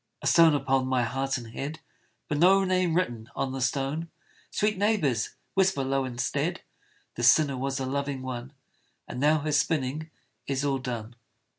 A stone upon my heart and head, But no name written on the stone! Sweet neighbours, whisper low instead, "This sinner was a loving one, And now her spinning is all done."